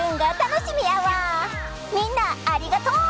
みんなありがとう！